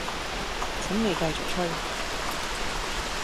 請你繼續吹